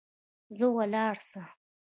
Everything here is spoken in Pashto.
ځه ولاړ سه.